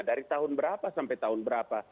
dari tahun berapa sampai tahun berapa